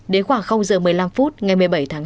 đến khoảng giờ một mươi năm phút ngày một mươi bảy tháng bốn